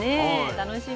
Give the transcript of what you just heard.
楽しみ。